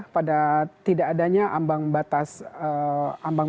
pada tidak adanya ambang